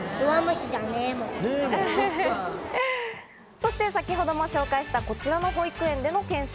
そして先ほども紹介した、こちらの保育園での検証。